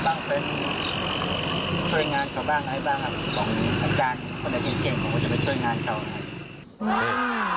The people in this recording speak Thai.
จะเป็นคลุกมือเขาบ้างจะเป็นช่วยงานเขาบ้างไงบ้างครับ